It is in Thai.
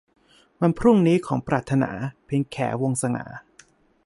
วันพรุ่งนี้ของปรารถนา - เพ็ญแข วงศ์สง่า